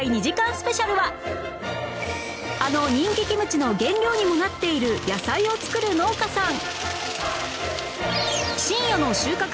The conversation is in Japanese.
スペシャルはあの人気キムチの原料にもなっている野菜を作る農家さん